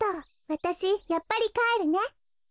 わたしやっぱりかえるね。